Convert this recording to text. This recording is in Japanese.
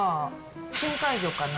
深海魚かな？